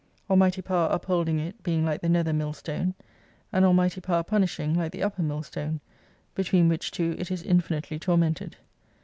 Almighty Power upholding it being like the nether millstone, and Almighty Power punishing like the upper millstone, between which two it is infinitely tormented.